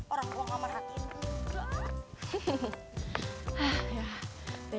orang gue gak merhatiin juga